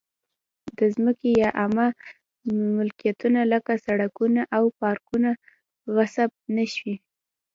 د ځمکې یا عامه ملکیتونو لکه سړکونه او پارکونه غصب نه شي.